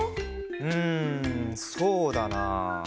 んそうだな。